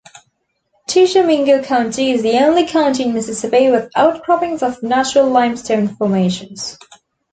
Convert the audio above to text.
Tishomingo County is the only county in Mississippi with outcroppings of natural limestone formations.